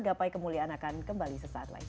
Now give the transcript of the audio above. gapai kemuliaan akan kita lihat di video selanjutnya